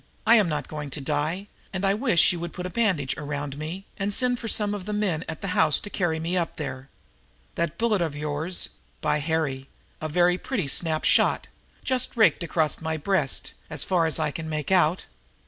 I am not going to die, and I wish you would put a bandage around me and send for some of the men at the house to carry me up there. That bullet of yours by Harry, a very pretty snap shot just raked across my breast, as far as I can make out.